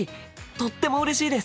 とってもうれしいです！